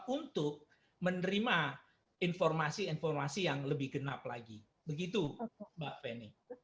untuk menerima informasi informasi yang lebih genap lagi begitu mbak feni